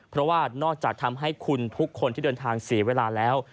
เพราะว่านอกจากทำให้คุณทุกคนที่เดินทางเสียเวลาแล้ว